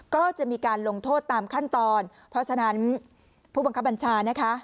ก็จะมีการลงโทษตามขั้นตอนเพราะฉะนั้นผู้บังคับบัญชานะคะ